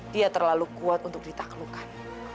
dia terlalu kuat untuk ditaklukkan